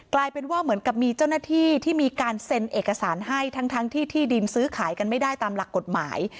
กลายเป็นว่าเหมือนกับมีเจ้าหน้าที่ที่มีการเซ็นเอกสารให้ทั้งที่ที่ดินซื้อขายกันไม่ได้ตามหลักกฎหมาย